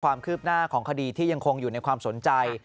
ความคืบหน้าของคดีที่ยังคงอยู่ในความสนใจ